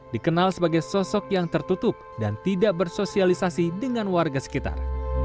dikenal sebagai sosok yang tertutup dan tidak bersosialisasi dengan warga sekitar